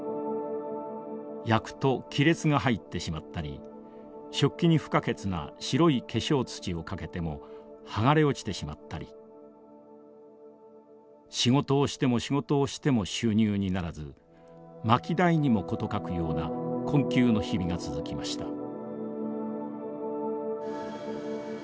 焼くと亀裂が入ってしまったり食器に不可欠な白い化粧土をかけても剥がれ落ちてしまったり仕事をしても仕事をしても収入にならず薪代にも事欠くような困窮の日々が続きました。